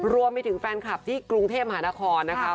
รวมไปถึงแฟนคลับที่กรุงเทพมหานครนะคะ